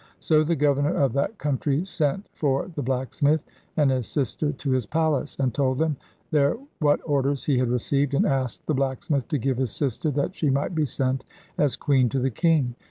So the governor of that country sent for the blacksmith and his sister to his palace, and told them there what orders he had received, and asked the blacksmith to give his sister that she might be sent as queen to the king.